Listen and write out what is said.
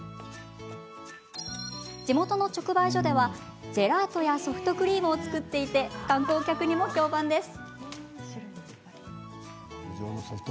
地元の直売所では、ジェラートやソフトクリームを作っていて観光客にも評判です。